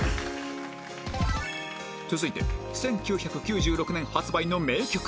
続いて１９９６年発売の名曲